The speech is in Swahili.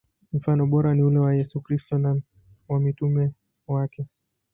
Mfano bora ni ule wa Yesu Kristo na wa mitume wake.